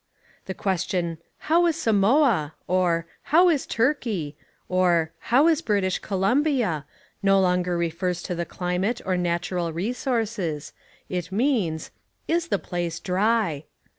The question "How is Samoa?" or "How is Turkey?" or "How is British Columbia?" no longer refers to the climate or natural resources: it means "Is the place dry?"